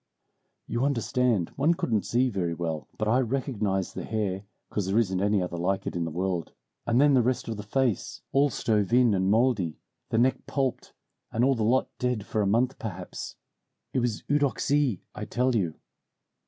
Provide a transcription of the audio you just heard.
"You understand, one couldn't see very well; but I recognized the hair 'cause there isn't any other like it in the world, and then the rest of the face, all stove in and moldy, the neck pulped, and all the lot dead for a month perhaps. It was Eudoxie, I tell you.